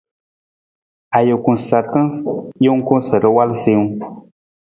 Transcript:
Ajuku sarta jungku sa awal siiwung.